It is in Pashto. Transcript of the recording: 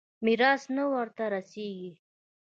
ميراث نه ورته رسېږي.